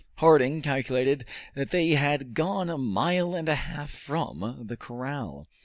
Harding calculated that they had gone a mile and a half from the corral.